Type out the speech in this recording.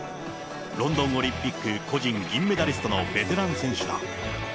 ロンドンオリンピック個人銀メダリストのベテラン選手だ。